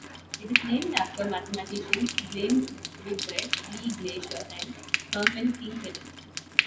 It is named after mathematicians James Whitbread Lee Glaisher and Hermann Kinkelin.